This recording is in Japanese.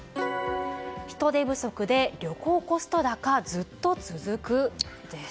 人手不足で旅行コスト高ずっと続く？です。